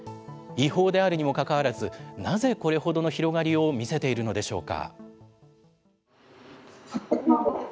違法であるにもかかわらずなぜ、これほどの広がりを見せているのでしょうか。